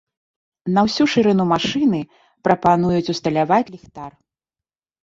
На ўсю шырыню машыны прапануюць усталяваць ліхтар.